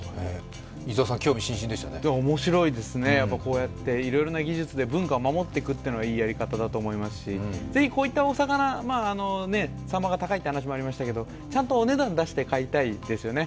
伊沢さん、興味津々でしたね面白いですね、こうやっていろいろな技術で文化を守っていくというのはいいやり方だと思いますし、ぜひこういったお魚、サンマが高いという話もありましたけれどもちゃんとお値段出して買いたいですよね。